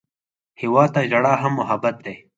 هېواد ته ژړا هم محبت دی